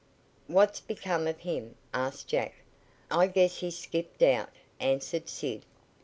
"What's become of him?" asked Jack. "I guess he's skipped out," answered Sid.